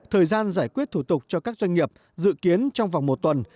thời gian giải quyết thủ tục cho các doanh nghiệp dự kiến trong vòng một tuần